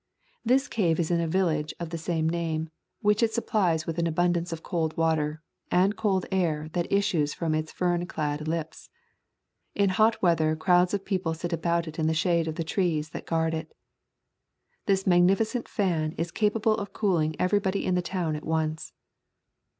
This cave is in a village [of the same name] which it supplies with an abundance of cold water, and cold air that issues from its fern clad lips. In hot weather crowds of, people sit about it in the shade of the trees that guard it. This magnificent fan is capable of cooling everybody in the town at once.